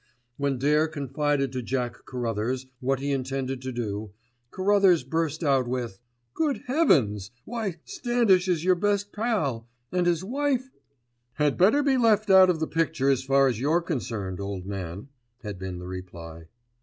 When Dare confided to Jack Carruthers what he intended to do, Carruthers burst out with— "Good heavens! Why, Standish is your best pal and his wife——" "Had better be left out of the picture as far as you're concerned, old man," had been the reply.